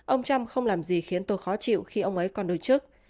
ông trump không làm gì khiến tôi khó chịu khi ông ấy còn đối chức